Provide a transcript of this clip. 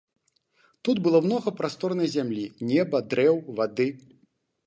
Тут было многа прасторнай зямлі, неба, дрэў, вады.